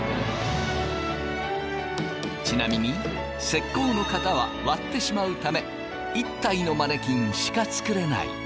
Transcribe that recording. ちなみに石膏の型は割ってしまうため１体のマネキンしか作れない。